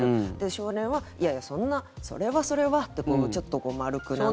少年はいやいや、そんなそれはそれはってちょっと丸く、なんとか。